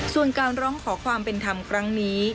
ส่วนการร้องขอความเป็นธรรมครั้งนี้